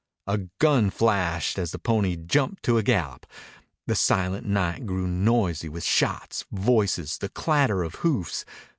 A gun flashed as the pony jumped to a gallop. The silent night grew noisy with shots, voices, the clatter of hoofs.